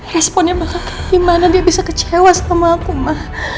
responnya bakal kemana dia bisa kecewa sama aku ma